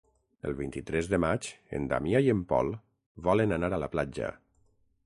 El vint-i-tres de maig en Damià i en Pol volen anar a la platja.